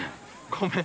ごめん。